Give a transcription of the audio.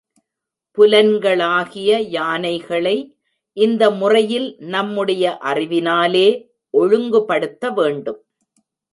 புலன்களாகிய யானைகளை இந்த முறையில் நம்முடைய அறிவினாலே ஒழுங்குபடுத்த வேண்டும்.